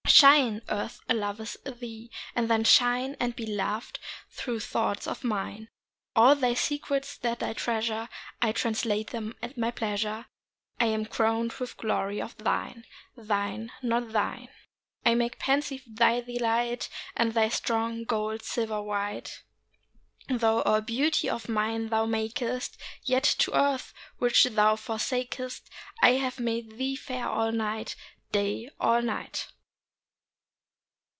Shine, Earth loves thee! And then shine And be loved through thoughts of mine. All thy secrets that I treasure I translate them at my pleasure. I am crowned with glory of thine. Thine, not thine. I make pensive thy delight, And thy strong gold silver white. Though all beauty of nine thou makest, Yet to earth which thou forsakest I have made thee fair all night, Day all night.